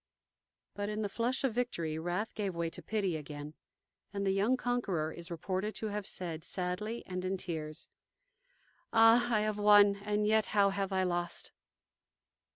But in the flush of victory wrath gave way to pity again, and the young conqueror is reported to have said, sadly and in tears: "Ah! I have won, and yet how have I lost!"